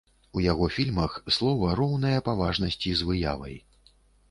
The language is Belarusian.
У яго фільмах слова роўнае па важнасці з выявай.